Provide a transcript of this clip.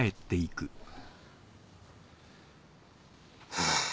ハァ。